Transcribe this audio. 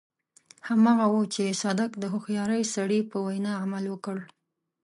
هماغه و چې صدک د هوښيار سړي په وينا عمل وکړ.